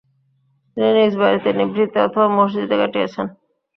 তিনি নিজ বাড়ির নিভৃতে অথবা মসজিদে কাটিয়েছেন।